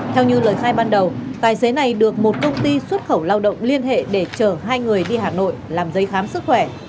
theo như lời khai ban đầu tài xế này được một công ty xuất khẩu lao động liên hệ để chở hai người đi hà nội làm giấy khám sức khỏe